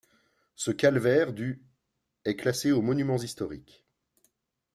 Ce calvaire du est classé aux Monuments Historiques.